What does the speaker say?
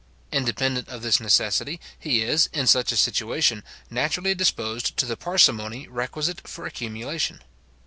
Independent of this necessity, he is, in such a situation, naturally disposed to the parsimony requisite for accumulation.